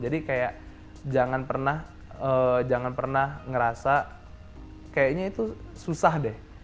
jadi kayak jangan pernah jangan pernah ngerasa kayaknya itu susah deh